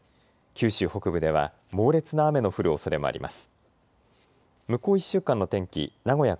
九州北部では猛烈な雨の降るおそれもあります。